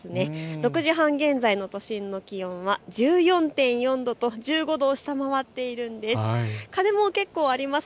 ６時半現在の都心の水温は１４．４度と１５度を下回っているんです。